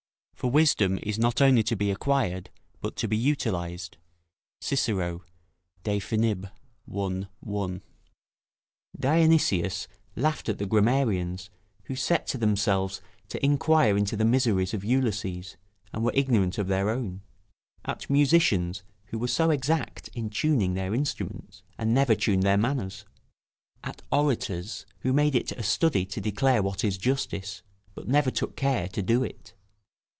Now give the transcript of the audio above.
["For wisdom is not only to be acquired, but to be utilised." Cicero, De Finib., i. I.] Dionysius [It was not Dionysius, but Diogenes the cynic. Diogenes Laertius, vi. 27.] laughed at the grammarians, who set themselves to inquire into the miseries of Ulysses, and were ignorant of their own; at musicians, who were so exact in tuning their instruments, and never tuned their manners; at orators, who made it a study to declare what is justice, but never took care to do it.